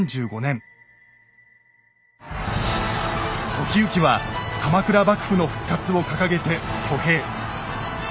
時行は鎌倉幕府の復活を掲げて挙兵。